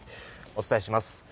お伝えします。